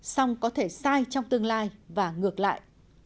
xong có thể sai trong tương lai và ngược lại